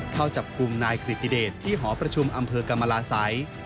เข้าจับกลุ่มนายกริติเดชที่หอประชุมอำเภอกรรมลาศัย